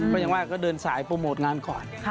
ก็ยังว่าก็เดินสายโปรโมทงานก่อน